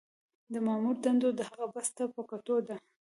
د مامور دنده د هغه بست ته په کتو ده.